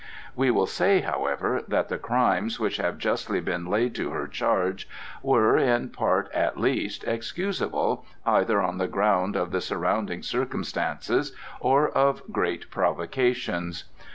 We will say, however, that the crimes which have justly been laid to her charge were, in part at least, excusable either on the ground of the surrounding circumstances or of great provocations.